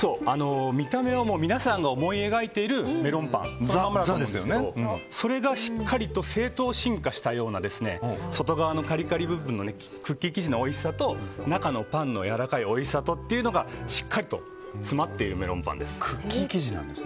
見た目は皆さんが思い描いているメロンパンなんですがそれがしっかりと正統進化したような外側のカリカリ部分のクッキー生地のおいしさと中のパンのやわらかいおいしさがしっかりと詰まっているメロンパンです。